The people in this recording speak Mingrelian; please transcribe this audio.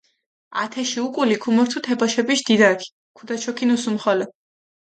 ათეში უკული ქუმორთუ თე ბოშეფიშ დიდაქ, ქუდაჩოქინუ სუმხოლო.